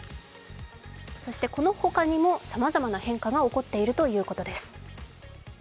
このほかにも、さまざまな変化が起こっているということです。